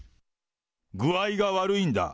具合が悪いんだ。